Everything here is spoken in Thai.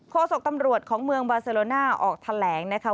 โศกตำรวจของเมืองบาเซโลน่าออกแถลงนะคะ